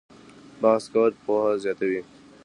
بحث کول پوهه زیاتوي